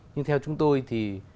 nhưng theo chúng tôi thì